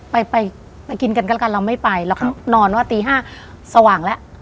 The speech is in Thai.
ไปไปกินกันก็แล้วกันเราไม่ไปเราก็นอนว่าตีห้าสว่างแล้ว